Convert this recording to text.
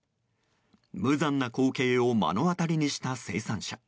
無残な光景を目の当たりにした生産者。